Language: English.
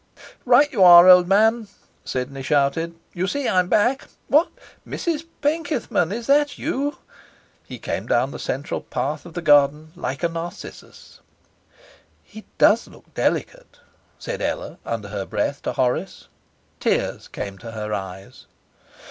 'Right you are, old man,' Sidney shouted. 'You see I'm back. What! Mrs Penkethman, is that you?' He came down the central path of the garden like a Narcissus. 'He DOES look delicate,' said Ella under her breath to Horace. Tears came to her eyes.